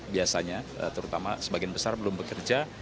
biasanya terutama sebagian besar belum bekerja